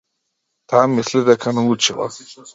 Таа мисли дека научила.